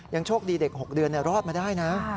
โชคดีเด็ก๖เดือนรอดมาได้นะ